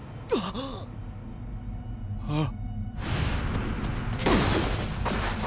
あっ。